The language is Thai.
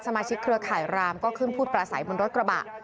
เครือข่ายรามก็ขึ้นพูดปลาใสบนรถกระบะ